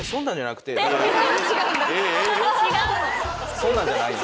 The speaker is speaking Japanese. そんなんじゃないんだ。